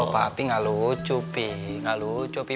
papi gak lucu pi gak lucu pi